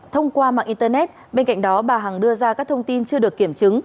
thông qua mạng internet bên cạnh đó bà hằng đưa ra các thông tin chưa được kiểm chứng